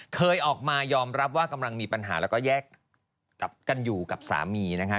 เคยออกมายอมรับว่ากำลังมีปัญหาแล้วก็แยกกันอยู่กับสามีนะคะ